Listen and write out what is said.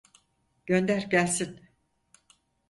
Gönder gelsin.